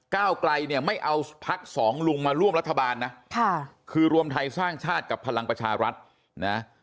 ก้าวไกลเนี่ยไม่เอาพักสองลุงมาร่วมรัฐบาลนะคือรวมไทยสร้างชาติกับพลังประชารัฐนะ